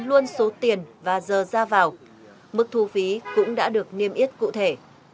luôn số tiền và giờ ra vào mức thu phí cũng đã được niêm yết cụ thể